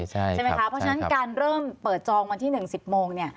ใช่ไหมคะเพราะฉะนั้นการเริ่มเปิดจองที่หนึ่งสิบโมงเนี่ย